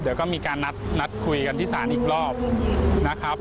เดี๋ยวก็มีการนัดคุยกันที่ศาลอีกรอบนะครับ